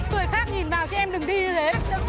tui khác nhìn vào chị em đừng đi như thế